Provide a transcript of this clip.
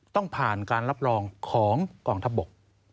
ต้องผ่านการรับรองของกองทัพบก